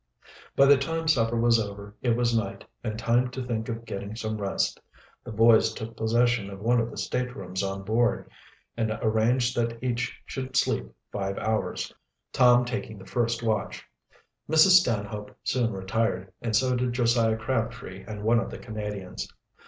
By the time supper was over it was night and time to think of getting some rest. The boys took possession of one of the staterooms on board, and arranged that each should sleep five hours, Tom taking the first watch. Mrs. Stanhope soon retired, and so did Josiah Crabtree and one of the Canadians.